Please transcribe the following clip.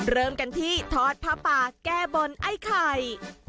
เริ่มกันที่ทอดผ้าป่าแก้บนไอ้ไข่